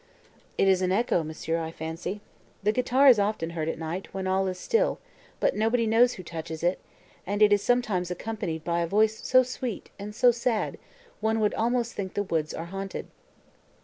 "It is an echo, monsieur, I fancy. That guitar is often heard at night, when all is still, but nobody knows who touches it, and it is sometimes accompanied by a voice so sweet, and so sad, one would almost think the woods were haunted."